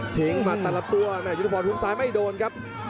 สะทางถึง